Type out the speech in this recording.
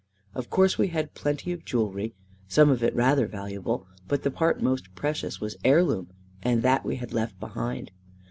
Of course we had plenty of jewellery, some of it rather valuable, but the part most precious was heirloom, and that we had left behind.